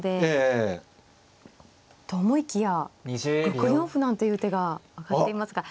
ええ。と思いきや６四歩なんていう手が挙がっていますが。